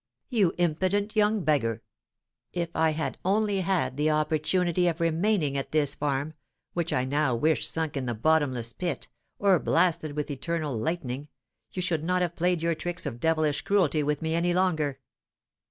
"You impudent young beggar! If I had only had the opportunity of remaining at this farm which I now wish sunk in the bottomless pit, or blasted with eternal lightning you should not have played your tricks of devilish cruelty with me any longer!"